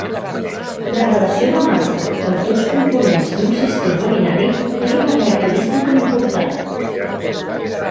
La relació de massa dels dos components d'un sistema binari és una característica important.